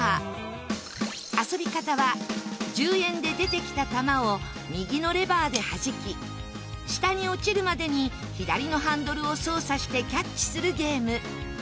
遊び方は１０円で出てきた球を右のレバーで弾き下に落ちるまでに左のハンドルを操作してキャッチするゲーム。